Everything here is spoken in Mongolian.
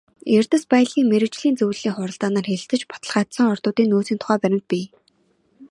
Эрдэс баялгийн мэргэжлийн зөвлөлийн хуралдаанаар хэлэлцэж баталгаажсан ордуудын нөөцийн тухай баримт бий.